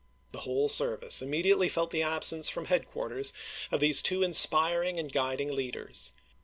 The whole service immediately felt the absence from headquarters of these two inspiring and guiding leaders.